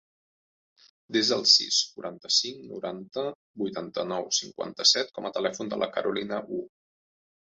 Desa el sis, quaranta-cinc, noranta, vuitanta-nou, cinquanta-set com a telèfon de la Carolina Wu.